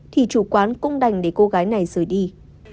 thì chủ quán cung đành để cô gái này rời đi